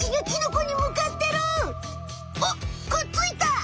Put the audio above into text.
あっくっついた！